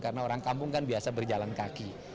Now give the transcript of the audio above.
karena orang kampung kan biasa berjalan kaki